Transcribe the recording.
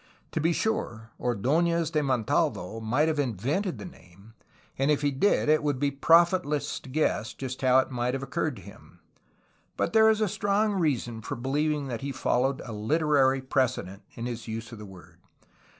To be sure, Or ORIGIN AND APPLICATION OF THE NAME CALIFORNIA 63 d6iiez de Montalvo might have invented the name, and if he did it would be profitless to guess just how it might have occurred to him, but there is strong reason for beheving that he followed a literary precedent in his use of the word.